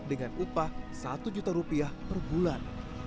dengan upah rp satu juta per bulan